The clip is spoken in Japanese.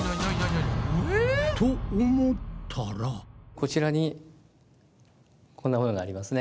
こちらにこんなものがありますね。